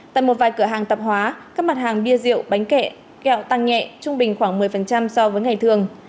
tại một vài cửa hàng tạp hóa các mặt hàng bia rượu bánh kẹo tăng nhẹ trung bình khoảng một mươi so với ngày thường